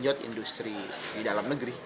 untuk membangkit industri di dalam negeri